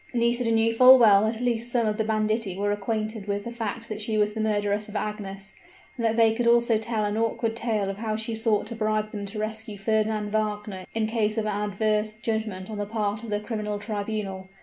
Nisida knew full well that at least some of the banditti were acquainted with the fact that she was the murderess of Agnes, and that they could also tell an awkward tale of how she sought to bribe them to rescue Fernand Wagner in case of an adverse judgment on the part of the criminal tribunal.